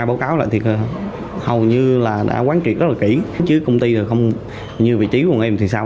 báo cáo lệnh thiệt hầu như là đã quán triệt rất là kỹ chứ công ty là không như vị trí của em thì sao